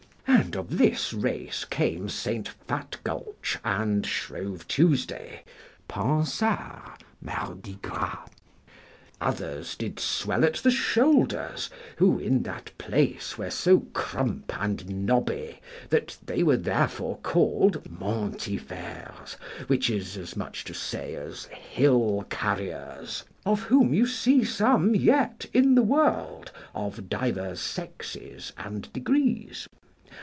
And of this race came St. Fatgulch and Shrove Tuesday (Pansart, Mardigras.). Others did swell at the shoulders, who in that place were so crump and knobby that they were therefore called Montifers, which is as much to say as Hill carriers, of whom you see some yet in the world, of divers sexes and degrees.